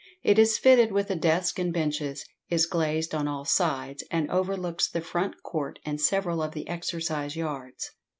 It is fitted with a desk and benches, is glazed on all sides, and overlooks the front court and several of the exercise yards.